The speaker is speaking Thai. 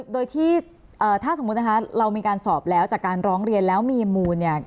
โดยที่ถ้าสมมุตินะคะเรามีการสอบแล้วจากการร้องเรียนแล้วมีมูลเนี่ย